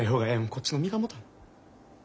こっちの身がもたんわ。